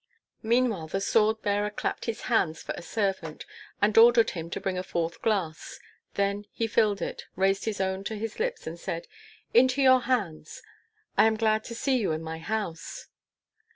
Meanwhile the sword bearer clapped his hands for a servant, and ordered him to bring a fourth glass; then he filled it, raised his own to his lips, and said, "Into your hands I am glad to see you in my house."